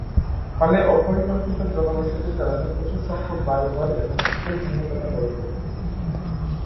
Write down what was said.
ফলে অপরিকল্পিত জনবসতির কারণে প্রচুর সংখ্যক বাড়িঘর এবং স্কুল ভেঙে ফেলা হয়েছিল।